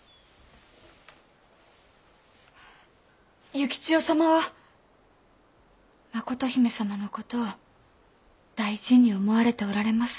幸千代様は真琴姫様のことを大事に思われておられます。